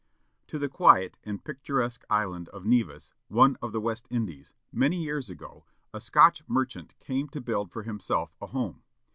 To the quiet and picturesque island of Nevis, one of the West Indies, many years ago, a Scotch merchant came to build for himself a home.